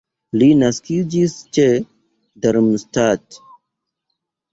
Li naskiĝis ĉe Darmstadt.